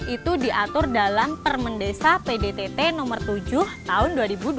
itu diatur dalam permendesa pdtt nomor tujuh tahun dua ribu dua puluh satu